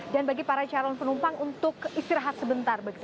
dan bagi para calon penumpang untuk istirahat sebentar